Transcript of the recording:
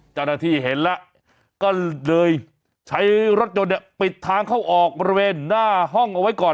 เจ้าหน้าที่เห็นแล้วก็เลยใช้รถยนต์เนี่ยปิดทางเข้าออกบริเวณหน้าห้องเอาไว้ก่อน